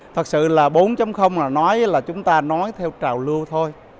thật sự là bốn mà nói là chúng ta nói theo trào lưu thôi